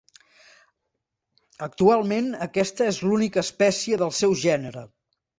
Actualment, aquesta és l'única espècie del seu gènere.